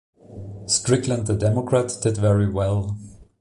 Strickland, the Democrat, did very well.